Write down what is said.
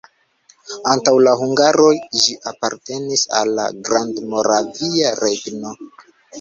Antaŭ la hungaroj ĝi apartenis al la Grandmoravia Regno.